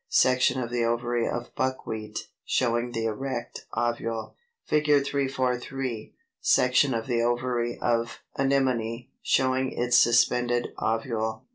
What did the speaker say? Section of the ovary of Buckwheat, showing the erect ovule.] [Illustration: Fig. 343. Section of the ovary of Anemone, showing its suspended ovule.